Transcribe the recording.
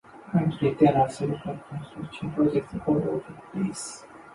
Currently, there are several construction projects all over Greece.